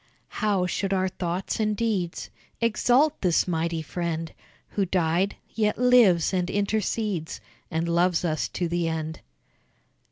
How should our thoughts and deeds Exalt this mighty friend, Who died, yet lives and intercedes And loves us to the end!